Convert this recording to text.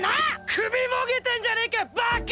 首もげてんじゃねぇかよバッカ！